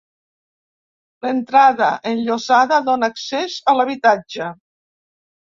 L'entrada, enllosada, dóna accés a l'habitatge.